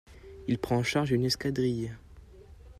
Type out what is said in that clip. Il prend en charge une escadrille.